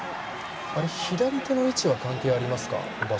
左手の位置は関係ありますか？